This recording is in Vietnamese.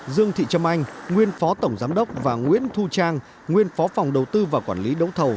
dương thị trâm anh nguyên phó tổng giám đốc và nguyễn thu trang nguyên phó phòng đầu tư và quản lý đấu thầu